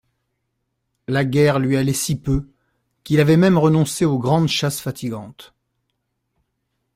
La guerre lui allait si peu, qu'il avait même renoncé aux grandes chasses fatigantes.